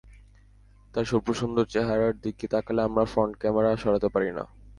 তার শুভ্র-সুন্দর চেহারার দিকে তাকালে আমার ফ্রন্ট ক্যামেরা সরাতে পারি না।